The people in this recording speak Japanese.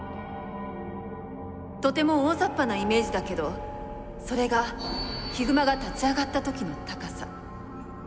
とても大ざっぱなイメージだけどそれがヒグマが立ち上がった時の高さ。